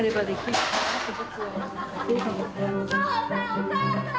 お父さん！